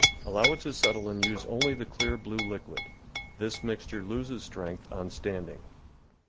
Allow it to settle and use only the clear blue liquid. This mixture loses strength on standing.